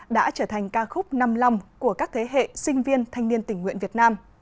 đã trở thành ca khúc năm lòng của các thế hệ sinh viên thanh niên tình nguyện việt nam